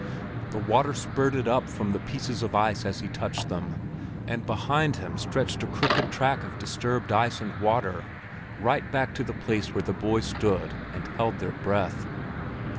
The water spurted up from the pieces of ice as he touched them, and behind him stretched a crooked track of disturbed ice and water right back to the place where the boys stood and held their breath.